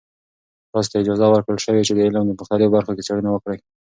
تاسې ته اجازه ورکړل شوې چې د علم په مختلفو برخو کې څیړنې وکړئ.